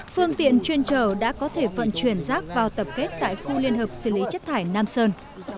phương tiện chuyên trở đã có thể vận chuyển rác vào tập kết tại khu liên hợp xử lý chất thải nam sơn